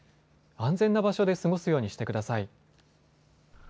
安全な場所で過ごすようにしてください。